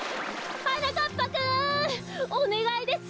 はなかっぱくんおねがいです！